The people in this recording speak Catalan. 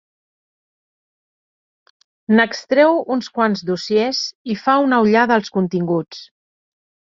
N'extreu uns quants dossiers i fa una ullada als continguts.